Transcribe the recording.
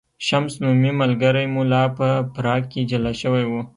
شمس نومی ملګری مو لا په پراګ کې جلا شوی و.